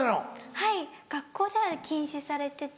はい学校では禁止されてて。